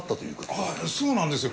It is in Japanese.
はいそうなんですよ。